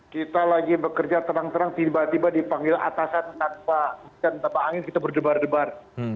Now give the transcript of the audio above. kita lagi bekerja terang terang tiba tiba dipanggil atasan tanpa bukan tanpa angin kita berdebar debar